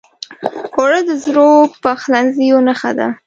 اوړه د زړو پخلنځیو نښه ده